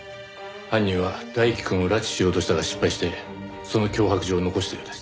犯人は大樹くんを拉致しようとしたが失敗してその脅迫状を残したようです。